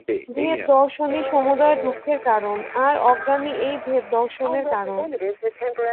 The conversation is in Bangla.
ভেদ-দর্শনই সমুদয় দুঃখের কারণ, আর অজ্ঞানই এই ভেদ-দর্শনের কারণ।